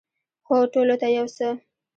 هو، ټولو ته یو څه